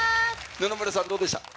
野々村さんどうでした？